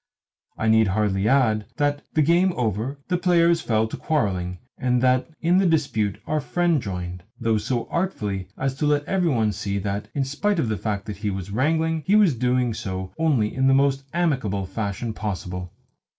I need hardly add that, the game over, the players fell to quarrelling, and that in the dispute our friend joined, though so artfully as to let every one see that, in spite of the fact that he was wrangling, he was doing so only in the most amicable fashion possible.